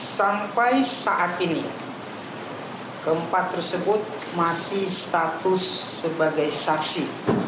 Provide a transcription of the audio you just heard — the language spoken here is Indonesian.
sampai saat ini keempat tersebut masih status sebagai saksi